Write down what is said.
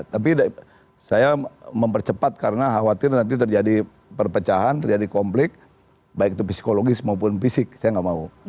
tapi saya mempercepat karena khawatir nanti terjadi perpecahan terjadi konflik baik itu psikologis maupun fisik saya nggak mau